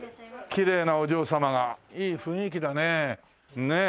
きれいなお嬢様がいい雰囲気だねえ。